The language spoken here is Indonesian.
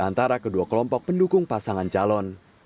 dan juga untuk menghidupkan kedua kelompok pendukung pasangan calon